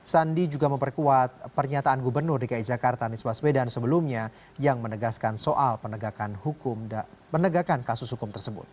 sandi juga memperkuat pernyataan gubernur dki jakarta nisbah swedan sebelumnya yang menegaskan soal penegakan kasus hukum tersebut